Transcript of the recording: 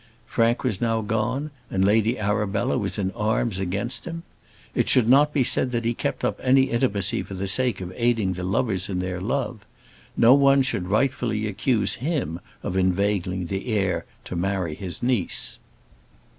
Frank was now gone, and Lady Arabella was in arms against him. It should not be said that he kept up any intimacy for the sake of aiding the lovers in their love. No one should rightfully accuse him of inveigling the heir to marry his niece.